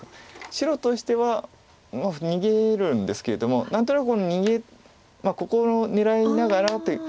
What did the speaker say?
白としては逃げるんですけれども何となくここの狙いながらっていう。